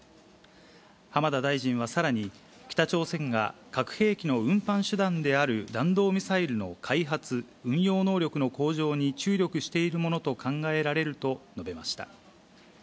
浜田大臣はさらに、北朝鮮が核兵器の運搬手段である弾道ミサイルの開発・運用能力の向上に注力しているものと考えられると述べました。